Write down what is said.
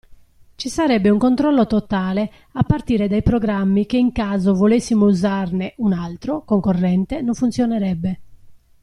Ci sarebbe un controllo totale a partire dai programmi che in caso volessimo usarne un altro (concorrente) non funzionerebbe.